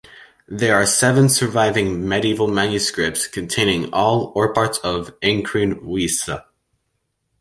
There are seventeen surviving medieval manuscripts containing all or part of "Ancrene Wisse".